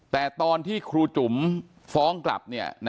แต่ตอนที่ครูจุ๋มฟ้องกลับ